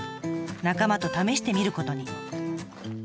仲間と試してみることに。